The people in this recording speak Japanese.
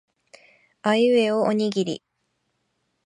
あいうえおおにぎり